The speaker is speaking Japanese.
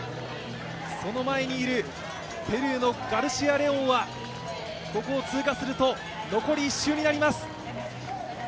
その前にいるペルーのガルシア・レオンはここを通過すると残り１周になります。